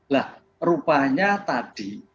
lah rupanya tadi